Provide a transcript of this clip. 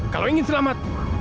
kalau ingin selamat